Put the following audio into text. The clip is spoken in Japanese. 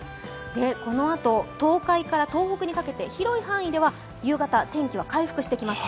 このあと、東海から東北にかけて広い範囲では夕方、天気は回復してきます。